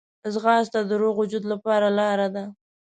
ځغاسته د روغ وجود لپاره لاره ده